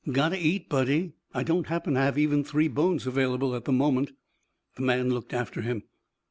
"Gotta eat, buddy. I don't happen to have even three bones available at the moment." The man looked after him.